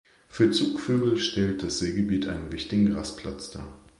Für Zugvögel stellt das Seegebiet einen wichtigen Rastplatz dar.